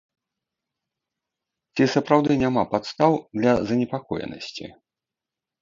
Ці сапраўды няма падстаў для занепакоенасці?